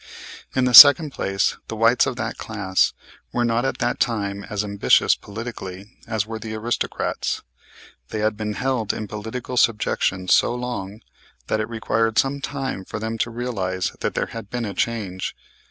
In the second place, the whites of that class were not at that time as ambitious, politically, as were the aristocrats. They had been held in political subjection so long that it required some time for them to realize that there had been a change.